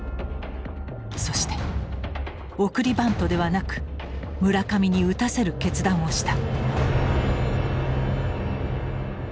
そして送りバントではなく村上に打たせる決断をした。